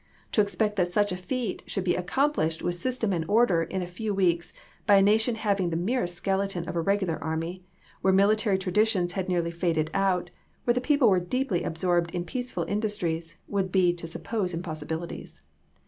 To expect that such a feat should be accomplished with system and order in a few weeks, by a nation having the merest skeleton of a regular army, where military traditions had nearly faded out, where the people were deeply absorbed in peaceful industries, would be to suppose impossibilities.